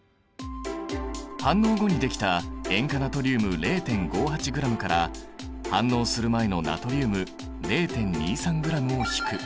反応後にできた塩化ナトリウム０．５８ｇから反応する前のナトリウム０．２３ｇを引く。